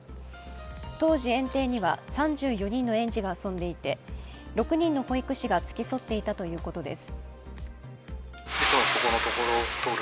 当時、園庭では３４人の園児が遊んでいて６人の保育士が付き添っていたということです。